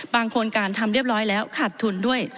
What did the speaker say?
โครงการทำเรียบร้อยแล้วขาดทุนด้วย